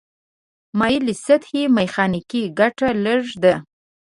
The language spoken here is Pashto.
مایلې سطحې میخانیکي ګټه لږه ده.